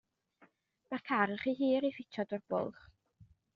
Mae'r car yn rhy hir i ffitio drwy'r bwlch.